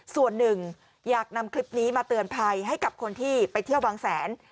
ส่วนหนึ่งอยากนำคลิปนี้มาเตือนภัยให้กับคนที่ไปเที่ยวบางแสน